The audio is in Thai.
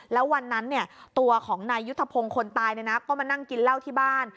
แล้ววันนั้นตัวของนายยุทธพงศ์คนตายก็มานั่งกินเหล้าที่บ้าน